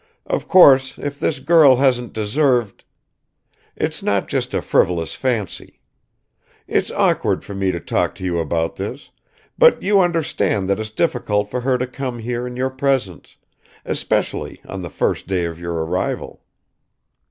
Of course if this girl hadn't deserved ... it's not just a frivolous fancy. It's awkward for me to talk to you about this, but you understand that it's difficult for her to come here in your presence, especially on the first day of your arrival."